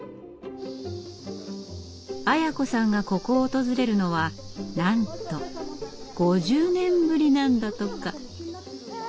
アヤ子さんがここを訪れるのはなんと５０年ぶりなんだとか。